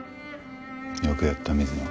よくやった水野。